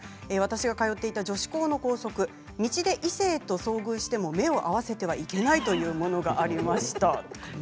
通っていた女子高の校則道で異性と遭遇しても目を合わせてはいけないというものがありました。